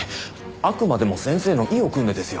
あくまでも先生の意をくんでですよ。